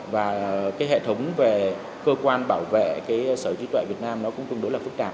và cái hệ thống về cơ quan bảo vệ cái sở hữu trí tuệ việt nam nó cũng tương đối là phức tạp